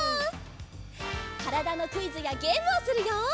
からだのクイズやゲームをするよ。